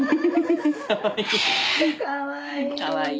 かわいい。